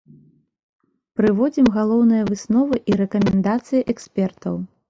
Прыводзім галоўныя высновы і рэкамендацыі экспертаў.